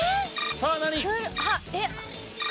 さあ何？